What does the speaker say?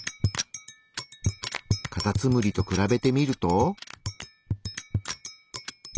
カタツムリと比べてみると。